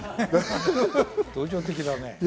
同情的だね。